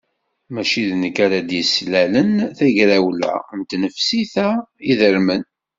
Mačči d nekk ara d-yeslalen tagrawla s tnefsit-a idermen.